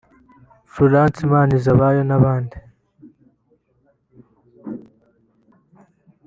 Florence Imanizabayo n’abandi